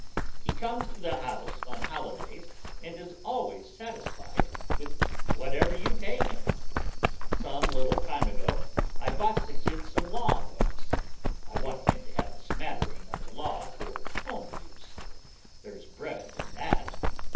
He comes to the house on holidays and is always satisfied with whatever you pay him. Some little time ago, I bought the kid some law books; I want him to have a smattering of the law for home use. There's bread in that!